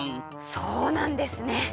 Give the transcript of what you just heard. そうなんですね！